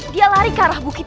dia berlari ke arah bukit itu